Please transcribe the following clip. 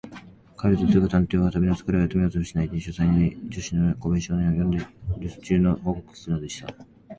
帰るとすぐ、探偵は旅のつかれを休めようともしないで、書斎に助手の小林少年を呼んで、るす中の報告を聞くのでした。